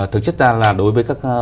thực chất ra là đối với các